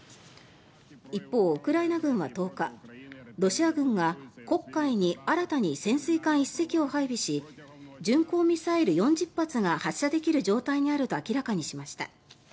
一方、ウクライナ軍は１０日ロシア軍が黒海に新たに潜水艦１隻を配備し巡航ミサイル４０発が発射できる状態にあると明らかにしました。